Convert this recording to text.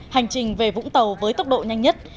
hành trình về vũng tàu với tốc độ nhanh nhất